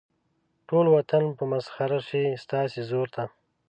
ټول وطن به مسخر شي ستاسې زور ته.